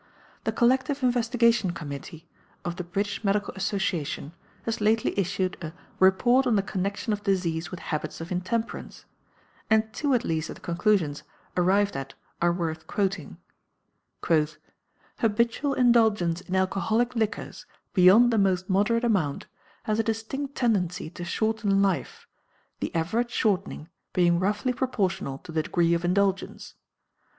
The Collective Investigation Committee of the British Medical Association has lately issued a "Report on the Connection of Disease with Habits of Intemperance," and two at least of the conclusions arrived at are worth quoting: "Habitual indulgence in alcoholic liquors, beyond the most moderate amount, has a distinct tendency to shorten life, the average shortening being roughly proportional to the degree of indulgence.